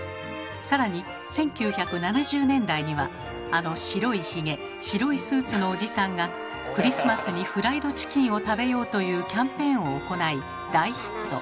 更に１９７０年代にはあの白いヒゲ白いスーツのおじさんが「クリスマスにフライドチキンを食べよう！」というキャンペーンを行い大ヒット。